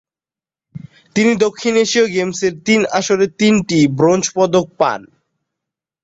তিনি দক্ষিণ এশীয় গেমসের তিন আসরে তিনটি ব্রোঞ্জ পদক পান।